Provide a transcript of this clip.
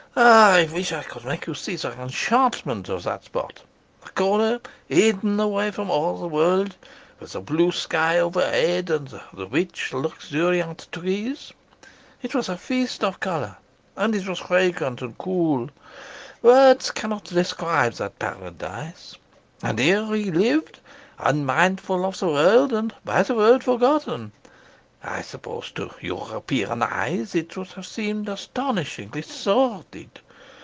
Ah, I wish I could make you see the enchantment of that spot, a corner hidden away from all the world, with the blue sky overhead and the rich, luxuriant trees. It was a feast of colour. And it was fragrant and cool. Words cannot describe that paradise. And here he lived, unmindful of the world and by the world forgotten. I suppose to European eyes it would have seemed astonishingly sordid.